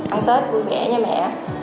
ăn tết vui vẻ nha mẹ